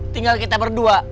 tinggal kita berdua